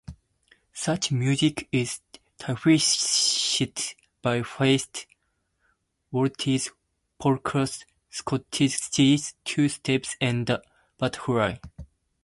Such music is typified by fast waltzes, polkas, schottisches, two-steps, and the butterfly.